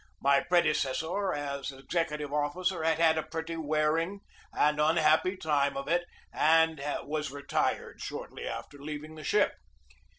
My predecessor as executive officer had had a pretty wearing and unhappy time of it and was retired shortly after leaving the ship.